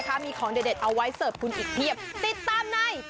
ไปกินไอ้เค้กันดีกว่า